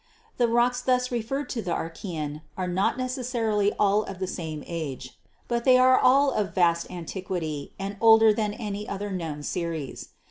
The rocks thus referred to the Archaean are not necessarily all of the same age, but they are all of vast antiquity and 204 GEOLOGY older than any other known series.